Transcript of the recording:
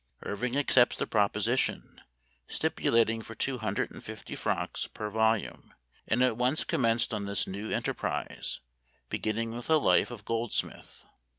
Irving accepts the proposition, stipu lating for two hundred and fifty francs per volume, and at once commenced on this new enterprise, beginning with a life of Goldsmith.